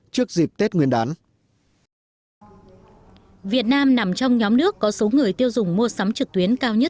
trước dịp tết nguyên đán việt nam nằm trong nhóm nước có số người tiêu dùng mua sắm trực tuyến cao nhất